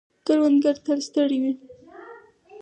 کروندگر تل ستړي وي.